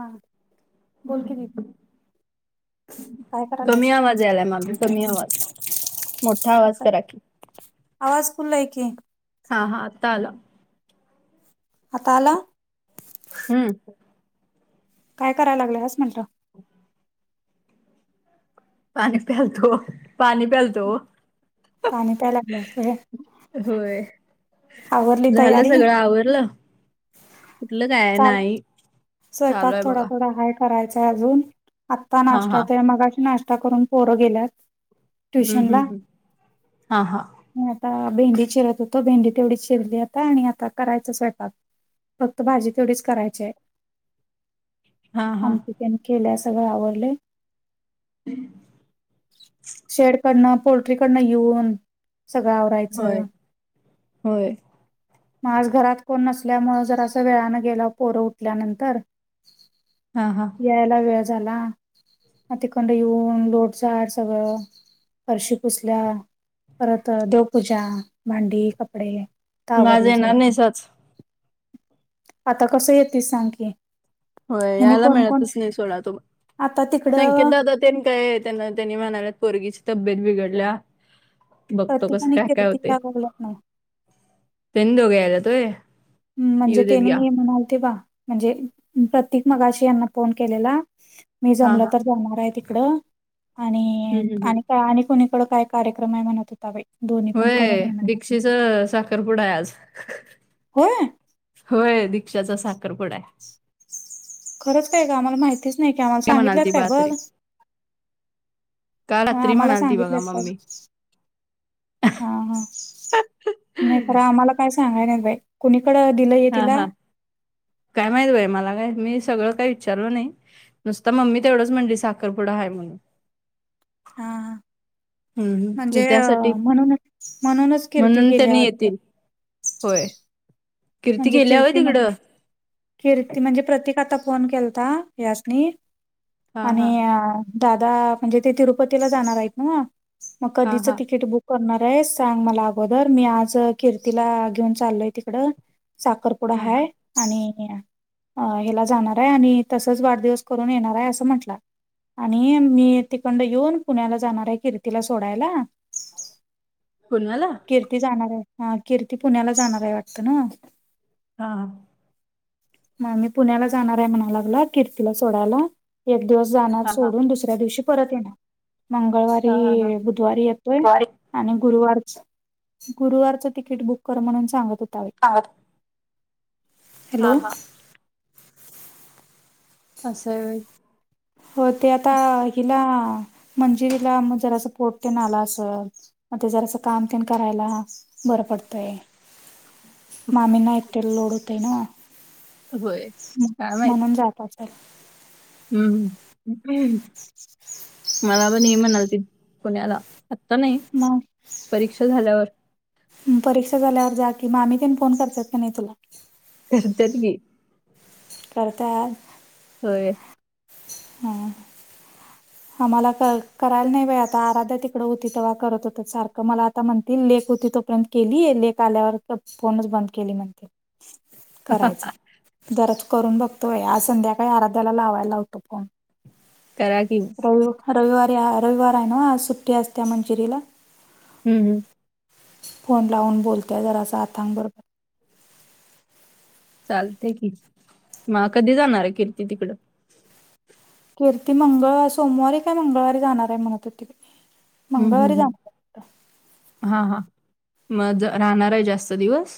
हा बोल क ददी कमी आवाज यालाय माझ कमी आवाज आहे. मोठा आवाज आता करा क आवाज फुलल ऐके. हा हा आता आला. आताला हम्म. काय कराय लागलं हस म्हण. पाणी प्यालतो पाणी प्यालतो. पाणी प्यायलागे. होय झालं तयारी सगळं आवरलं. कुठलं काय चाल नाही चालू आहे बघा. करायचं अजून आता हा नाश्ता हा ते मग अ नाश्ता करून पोरं गेल्यात. हम्म ट्युशन हम्म ला हम्म. हा हा म आता भेंडी चिरत होतो भेंडी तेवढी चिरली आता आणि आता करायचं स्वयंपाक फक्त भाजी तेवढीच करायची आहे हा हा [unintelligible] आमची केल्या सगळं आवडले. [unintelligible] [unintelligible] शेडकडनं पोल्ट्रीकडनं येऊन सगळं आवरायचं. होय होय. माज घरात कोण नसल्यामुळ जर असं वेळनें गेलं पोरं उठल्यानंतर हा हा. यायला वेळ झाला म तिकंड येऊन लोट झाड सगळं फरशी पुसल्या परत देवपूजा, भांडी, कपडे माझ आवरलय सगळं येणार नाही सच आता कसं येेतीस सांग की. होय ह्यांनी यायला कोण कोण मिळतच नाही सोडा तुम्हा आता तिकडं संकेतदादा त्यांनी काय त्यां त्यांनी म्हणाल्यात पोरगीची तब्येत बिघडल्या बघतो प्रतीक कसं आणि काय काय कीर्ती होतय. यायला लागल्यात नव्ह त्यांनी दोघे आल्यात होय. हम्म म्हणजे तेनी म्हणाल ते बा म्हणजे प्रतीक मगाशी यांना फोन केलेला मी हा जमल हा तर जाणार आहे इकड हम्म आणि हम्म हम्म. आणि काय आणि कोणीकड काय कार्यक्रम आहे म्हणत होता. दोन्ही पण करून होय येणार दी्क्षिच साखरपुडा आहे आज. होय. होय दीक्षाचा साखरपुडा आहे. खरच काय ग आम्हांला माहितीच नाही की आम्हांला काय म्हणाल सांगितल्यात ती काय बघ. बातरी काल हां रात्री आम्हाला म्हणाल ती बघा सांगितल्यात काल मम्मी हां हां हा नाही खरं आम्हांला काय सांगाय नाहीत बाई कुणीकड दिलंय तिला? हा काय माहीत बाई मला काय मी सगळं काही विचारलो नाही. नुसतं मम्मी तेवढच म्हणली साखरपुडा आहे म्हणून हा हा हम्म म्हणजे त्यासाठी अं, म्हणूनच म्हणूनच कीर्ती म्हणून गेल्या त्यांनी वाटतं येतील. होय. म्हणजे गेल्या होय कीर्ती म्हण तिकडं कीर्ती म्हणजे प्रतीक आता फोन केलता ह्यासनी हा आणि हा दादा म्हणजे ते तिरुपतीला जाणार आहेत नव मग हा कधीचं हा तिकीट बुक करणार आहे सांग मला अगोदर मी आज कीर्तीला घेऊन चालोय तिकड साखर पुडा हा हा हाय. आणि हेला जाणार आहे आणि तसच वाढदिवस करून येणार आहे असं म्हंटला. आणि मी तिकंड येऊन पुण्याला जाणार आहे कीर्तीला सोडायला. [inaudible] पुण्याला कीर्ती जाणार आहे हां कीर्ती पुण्याला जाणार आहे वाटतं नव हां. मामी पुण्याला जाणार आहे म्हणा लागला कीर्तीला सोडायला एक दिवस जाणार हा हा सोडून दुस दुसऱ्या दिवशी परत येणार हा हा हा मंगळवारी, बुधवारी येतोय. वारी. आणि गुरुवारच- गुरुवारचं तिकीट बुक कर म्हणून सांगत होता बाई. हां. हॅलो अस हाय होय. होय ते आता हिला मंजिरीला म जरास पोट तेन आल असल. म ते जरास काम तेन करायला बरं पडतंय. मामीना एकटीला लोड होतय नव होय काय माहित म्हणून जात असल. हम्म हम्म मला पण ते म्हणालतीत पुण्याला आत्ता नाही मग परीक्षा झाल्यावर परीक्षा झाल्यावर जा की मामी तेन फोन करत्यात की नाही तुला? करत्यात कि. करत्यात होय. हम आम्हांला काय करायला नाही बाई आता आराध्या तिकडं होती तेव्हा करत होतीत सारखं मला आता म्हणतील लेक होती तोपर्यंत केली, लेक आल्यावर फोनच बंद केली म्हणते. करायचं.. जराच करून बघतोय आज संध्याकाळी आराध्याला लावायला होतो फोन. तरा. रवि रविवारी रविवार आहे ना आज सुट्टी असते मंजीरीला. हम् हम. फोन लावून बोलत जराच हातांगबरोबर. चालतेय की मग कधी जाणार आहे कीर्ती तिकडं. कीर्ती मंगळ सोमवारी काय मंगळवारी जाणार आहे म्हणत होते.. हम्म हम् हम् हा हा म राहणार आहे जास्त दिवस.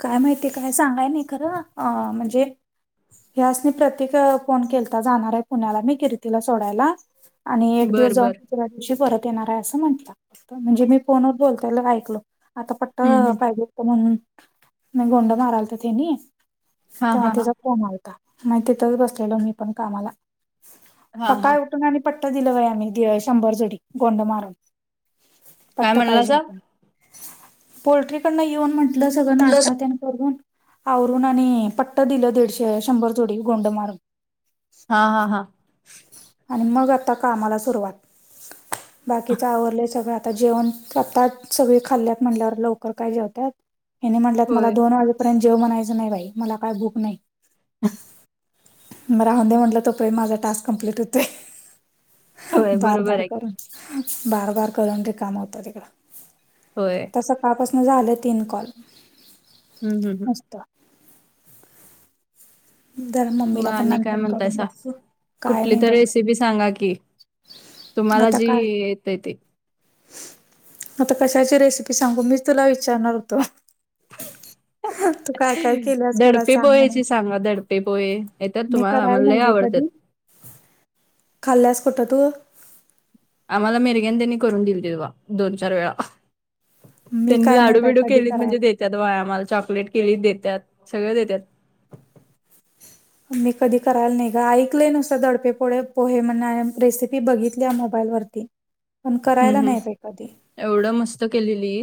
काय माहितीय काय सांगाय नाही खरं अ म्हणजे. ह्यासनी प्रतीक फोन केलता जाणार आहे पुण्याला मी कीर्तीला सोडायला.. आणि एक दिवस बर जाऊन बर दुसऱ्या दिवशी परत येणार आहे असं म्हंटलं म्हणजे मी फोनवर बोलताय ऐकलो.. आता पट्ट हम्म हम्म. पाहिजे म्हणून. म गोंड मारायला तर तेनी हा तेव्हा हा हा तचा फोन... नाही तिथच बसलेलो मी पण कामाला प हा हा काय. आणि पट्टा दिला वय आम्ही शंभर जोडी गोंड मारून. काय पटत म्हणला पाहिजे सा पोल्ट्रीकडन येऊन म्हण. आपलं सगळ नाचतात त्यां. ून आवरून आणि पट्ट दिलं दीडशे शंभर तोडी गोंड मारून. हा हा हा. आणि मग आता कामाला सुरुवात बाकीचे आवरले सगळं आ. आ जेवणताात सगळी खाल्ल्यात म्हल्यावर लवकर काय जेवतात हे म्हण मला होय दोन वाज. पर्यंत जेव म्हणायचं नाही बाई मला काय बुक नाही. राहूनंदे म्हटलं तो पे माझा टास्क कंप्लीट होते. होय बरोबर बारबार आहे करून बारबार करून रे काम होत तिकडं. होय. आता सकाळपासून झालं तीन कॉल. हम् हम् हम. तर. जरा म मम्मीला पण आणि काय नंतर करून म्हणतायस बघतो काय कुठली नाही तर बघ रेसिपी सांगा की. तुम्हाला आता जी काय येत येत. [inaudible] आता कशाची रेसिपी सांगू मी तुला विचारणार होतो. तू काय काय केल्यास मला धडपे सांग म्हणून पोहायची सांगा धडपे. े पोहे तर मी तुम्हाला करायला नाही आमला ग आवडतात. कधी खाल्ल्यास खठ तू. आम्हाला मिेरगन त्यांनी करून दिली ते तेव्हा दोन चार वेळा. मी त्यांनी काय नाही लाडू बाई बिडू कधी केली करायला म्हणजे. त्यात वयामाला चॉकलेट केली देतात सगळे देतात. मी कधी करायला नाही ग ऐकलंय नुसतं दडपेपोळे पोहे म्हण रेसिपी बघितली मोबाईल ववरती. पण करायला हम्म हम्म नाही प कधी. एवढं मस्त केलेली.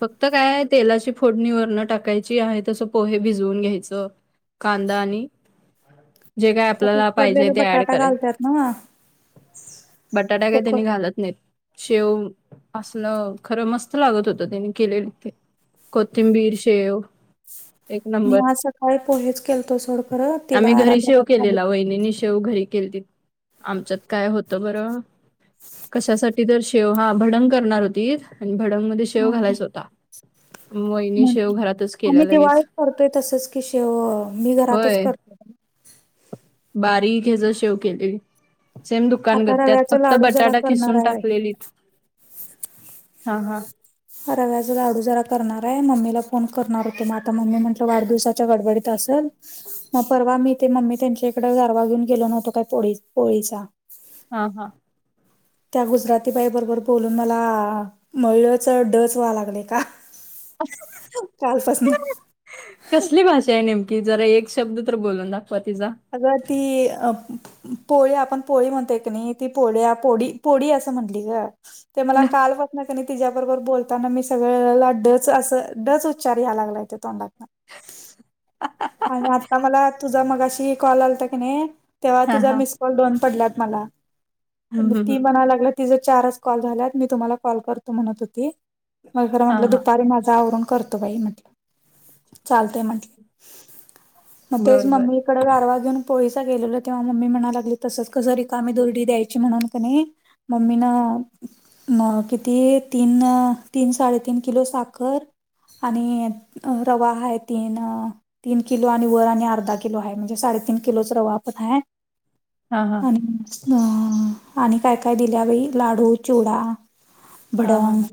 फक्त काय आहे तेलाची फोडणी वरणं टाकायची आहे तसं पोहे भिजवून घ्यायचं. कांदानी. [inaudible] जे काय त्यात आपल्याला पाहिजे उकडलेला ते ऍड बटाटा केल घालतात ना बटाटा हो काय का? त्यांनी घालत. नाही शेव असलं खरं मस्त लागत होत त्यानी केलेलं ते. कोतिंबीर शेव. एक मी नंबर आज सकाळी पोहेेच केलतो सोडख तिला आराध. ेव घरी के आमच्यात काय होत बर कशासाठी. ति तर शेव हां भडंग करणार होतीत आणि भडंगमध्ये शेव घालायचा होता. वहिनी शेव हम्म घरातच केल्या आम्ही लगेच दिवाळीत करतोय तसच की शेव मी घरातच होय करतोय. [inaudible] बारीक हेज शेव केलती सेम आता दुकानगत त्यात रव्याचा फक्त लाडू जरा बटाटा करणार खिसून आहे बाई. हां हां. रव्याज लाडू जरा करणार आहे, मम्मीला फोन करणार होतो मग आता मम्मी म्हटलं वाढदिवसाच्या गडबडीत असल मग परवा मी ते मम्मी त्यांच्या इकड गारवा घेऊन गेलो नव्हतो काय पोळी-पोळीचा. हां हां त्या गुजराती बाई बरोबर बोलून मला मळ ळच डच व्हा लागलय कालपासन कसली भाषा आहे नेमकी जरा एक शब्द तर बोलून दाखवा तिचा अगं ती अ पोळी आपण पोळी म्हणतोय क नाही ती पोळ-पोळी पोडी असं म्हटंली ग. ते मला हा कालपा सन कने तिच्या बरोबर बोलताना मी सगळ्याला डच असं डच उच्चार याला लागलाय ते तोंडात. आणि आता मला तुझा मगाशी कॉल आलाता कने तेव्हा तिझा हा मिस कॉल दोन पडल्यात मला हम्म, हम्म, ती हम्म. म्हणाल्या की तिज चारच कॉल झाल्यात मी तुम्हांला कॉल करतो म्हणत होती. मग खरं हा म्हटलं हा दुपारी माझ आवरून करतो बाई म्हटलं चालतय म्हंटली. म तेच बर बर मम्मी कड गारवा घेऊन पोळीचा गेलेलो तेव्हा मम्मी म्हणा लागली तसच कसं रिकामी दुरडी द्यायची म्हणून कने मम्मी न किती तीन तीन, साडे तीन किलो साखर आणि रवा हाय आहे तीन तीन किलो आणि वर आणि अर्धा किलो आहे म्हणजे साडेतीन किलोच रवा पण आहे. हा हा आणि अ आणि काय काय दिल्या बाई लाडू, चीवडा, हा हा भडंग हा.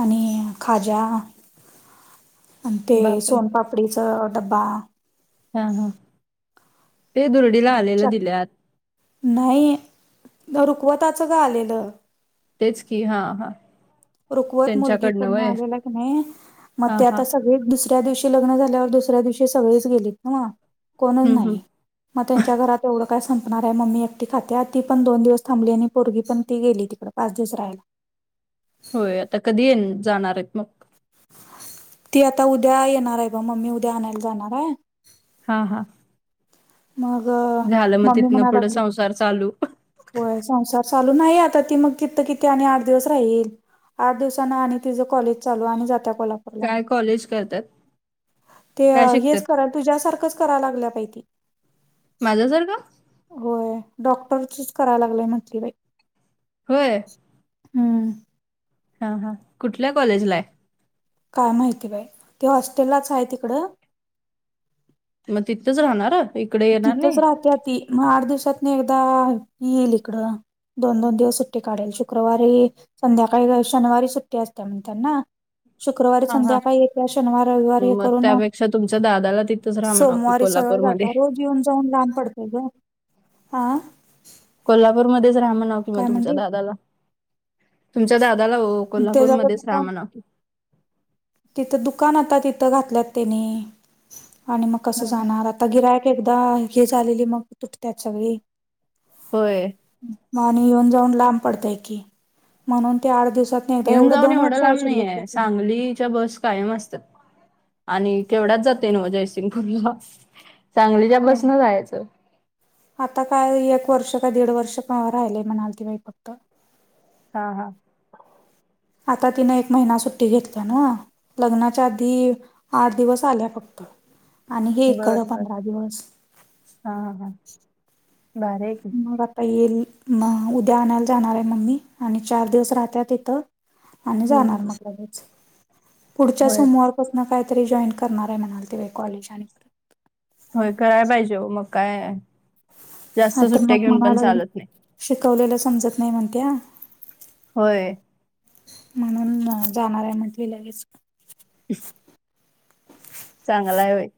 आणि खाजा आणि ते बापरे सोनपापडीचा डब्बा हां हां. चक दिल्यात नाही रुखवताच ग आलेलं. तेच की हां हां. रुकवत मुलगीकडन आलेला की नाही मग हा ते हा आता सग दुसऱ्या दिवशी लग्न झाल्यावर दुसऱ्या दिवशी सगळीच गेलीत नव कोणच हम्म हम्म नाही मग त्यांच्या घरात एवढं काय संपणार आहे. मम्मी एकटी खात्या आ ती पण दोन दिवस थांबली आणि पोरगी पण ती गेली. पाच दिवस राहिला होय आता कधी येन जाणार आहेत मग? ती आता उद्या येणार आहे ब मम्मी उद्या आणायला जाणार आहे. हां हां. मग मग मम्मी तिथनं म्हणा पुढे लागली संसार चालू होय संसार चालू नाही आता ती मग कि किती आणि आठ दिवस राहील. आठ दिवसांन आणि तिचं कॉलेज चालू आणि जात्या का काय कॉलेज करत्यात? ते हेच करा तुझ्यासारखंच कराय लागल्या बाई ती. माझ्यासारखं हो डॉक्टरचच करायल लागल्या म्हटली बाई. होय. हम्म. हां हां. कुठल्या कॉलेज ला आहे? काय माहिती बाई ते हॉस्टेललाच आहे तिकडं म तिथंच राहणार? इकडे येणार तिथंच नाही राहत्या ती. मग आठ दिवसातनं एकदा येईल इकडं. दोन दोन दिवस सुट्टी काढेल. शुक्रवारी संध्याकाळी शनिवारी सुट्टी असत्या म्हण त्यांना. शुक्रवारी हा हा संध्याकाळी येत्या शनिवार, रविवार हे मग करू न - त्यापेक्षा तुमच्या दादाला - तिथंच राहा म्हणावं की सोमवारी सरळ कोल्हापूरमध्ये जात्या. रोज येऊन जाऊन लांब पडतय गं. हा. कोल्हापूरमध्येच राहा म्हणावं कि म काय तुमच्या म्हणली दादाला. तुमच्या दादाला ओ. त्याच कोल्हापूरमध्येच रा दुकान म्हणावं. तिथं दुकान आता तिथं घातल्यात तेनी आणि मग कसं हां, हां. जाणार आ आता गिरायक एकदा हे झालेली मग तुटत्यात सगळी. होय. आणि येऊन जाऊन लांब पडतय की म्हणून ते आठ दिवसात एकदा येऊन जाऊन दोन एवढं वर्ष आहे लांब शिल्लक नाहीये. तिथे सांगलीच्या बस - - कायम असत्या आणि केवढ्याच जातोयं नव्हं जयसिंगपूरला. सांगलीच्या हो बसन जायाचं. आता काय एक वर्ष का दीड वर्ष [unintelligible] राहिलंय म्हणाल ती बाई फक्त हा. हा. आता तिनं एक महिना सुट्टी घेतल्या नव्हं. लग्नाच्या आधी आठ दिवस आल्या फक्त आणि हे इकड बर बर पंधरा दिवस. हा. हा. भारी हाय कि. मग आता येईल म उद्या आणायला जाणार हाय मम्मी आणि चार दिवस राहत्या तथं. आणि हम्म. जाणार मग लगेच पुढच्या होय सोमवार- - पसनं काहीतरी जॉईन करणार हाय म्हणालती बाई कॉलेज आणि परत. होय करायला पाहिजे ओ. मग काय हा जास्त तर सुट्ट्या मग घेऊन म्हणाय पण लागली चालत नाही. शिकवलेलं समजत नाही म्हणत्या. होय. हं. म्हणून जाणार हाय म्हटली लगेच. [unintelligible] चांगलाय बाई.